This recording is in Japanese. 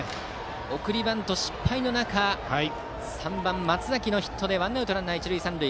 送りバント失敗の中３番の松崎のヒットでワンアウトランナー、一塁三塁。